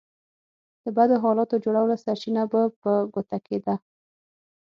د بدو حالاتو جوړولو سرچينه به په ګوته کېده.